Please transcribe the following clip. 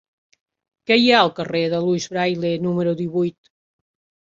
Què hi ha al carrer de Louis Braille número divuit?